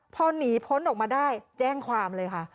พอหนีพ้นออกมาได้แจ้งความเลยค่ะ